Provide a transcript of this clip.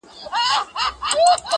• که امریکا ده که انګلستان دی -